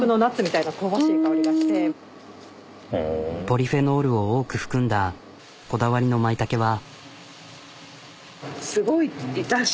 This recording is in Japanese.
ポリフェノールを多く含んだこだわりのマイタケは。